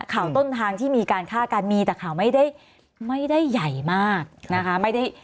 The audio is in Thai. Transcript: ข่าวต้นทางที่มีการฆ่ากันมีแต่ข่าวไม่ได้ใหญ่มากนะคะ